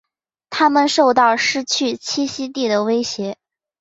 它们受到失去栖息地的威胁。